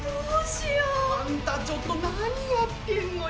あんたちょっと何やってんのよ！